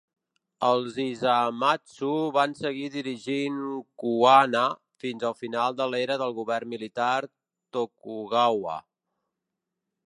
Els Hisamatsu van seguir dirigint Kuwana fins al final de l'era del govern militar Tokugawa.